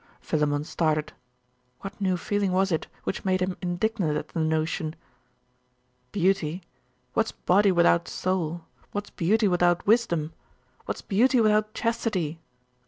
Philammon started. What new feeling was it, which made him indignant at the notion? 'Beauty? What's body without soul? What's beauty without wisdom? What's beauty without chastity?